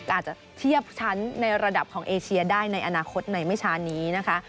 อาจจะเทียบชั้นในระดับของเอเชียได้ในอนาคตในไม่ช้านี้นะคะ